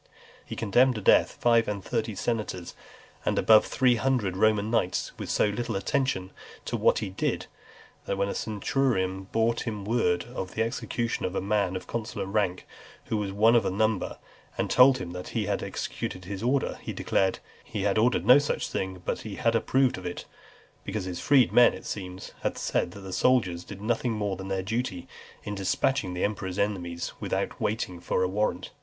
He condemned to death five and thirty senators, and above three hundred Roman knights, with so little attention to what he did, that when a centurion brought him word of the execution of a man of consular rank, who was one of the number, and told him that he had executed his order, he declared, "he had ordered no such thing, but that he approved of it;" because his freedmen, it seems, had said, that the soldiers did nothing more than their duty, in dispatching the emperor's enemies without waiting for a warrant.